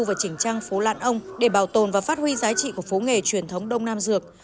và chỉnh trang phố lạn ông để bảo tồn và phát huy giá trị của phố nghề truyền thống đông nam dược